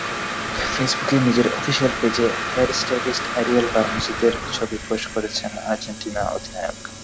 ফেসবুকে নিজের অফিশিয়াল পেজে হেয়ারস্টাইলিস্ট আরিয়েল বারমুদেজের ছবি পোস্ট করেছেন আর্জেন্টিনা অধিনায়ক।